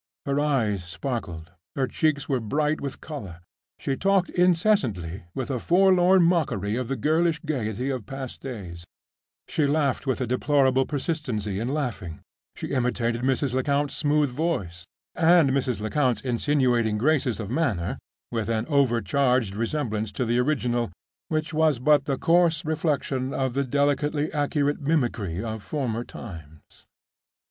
Her eyes sparkled; her cheeks were bright with color; she talked incessantly, with a forlorn mockery of the girlish gayety of past days; she laughed with a deplorable persistency in laughing; she imitated Mrs. Lecount's smooth voice, and Mrs. Lecount's insinuating graces of manner with an overcharged resemblance to the original, which was but the coarse reflection of the delicately accurate mimicry of former times.